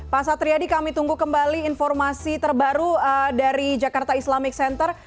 pak satriadi kami tunggu kembali informasi terbaru dari jakarta islamic center